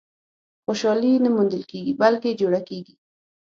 • خوشالي نه موندل کېږي، بلکې جوړه کېږي.